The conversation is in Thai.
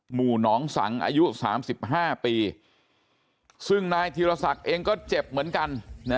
หมู่หนองสังอายุ๓๕ปีซึ่งนายธีรศักดิ์เองก็เจ็บเหมือนกัน